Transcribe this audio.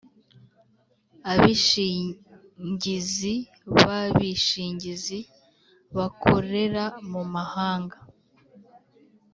Abishingizi b abishingizi bakorera mu mahanga